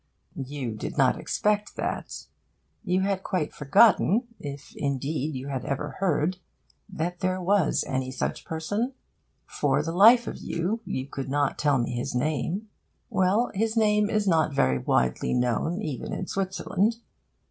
You did not expect that. You had quite forgotten, if indeed you had ever heard, that there was any such person. For the life of you, you could not tell me his name. Well, his name is not very widely known even in Switzerland.